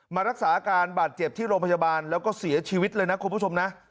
มารักษาอาการบาดเจ็บที่โรงพยาบาลแล้วก็เสียชีวิตเลยนะคุณผู้ชมนะ